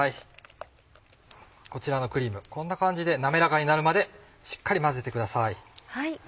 こちらのクリームこんな感じで滑らかになるまでしっかり混ぜてください。